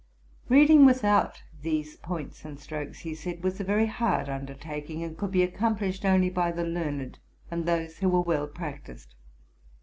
Reading without these points and strokes, he said, was a very hard undertaking, and could be accom plished only by the learned and those who were well prac tised.